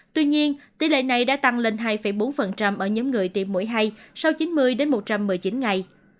tuy nhiên tỷ lệ này đã tăng lên hai bốn ở nhóm người tiêm mũi hai sau chín mươi một trăm một mươi chín ngày